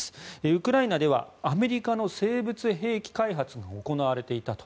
ウクライナではアメリカの生物兵器開発が行われていたと。